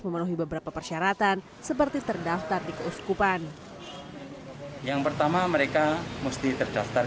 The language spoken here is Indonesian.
memenuhi beberapa persyaratan seperti terdaftar di keuskupan yang pertama mereka mesti terdaftar